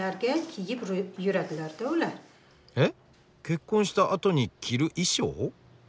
結婚したあとに着る衣装？